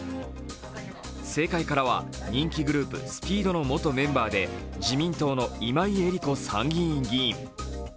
政界からは人気グループＳＰＥＥＤの元メンバーで自民党の今井絵理子参議院議員。